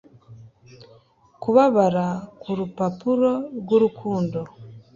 kubabara kurupapuro rwurukundo